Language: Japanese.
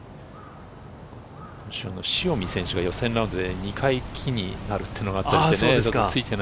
塩見選手が予選ラウンドで２回、木に当てるっていうのがあったんですね。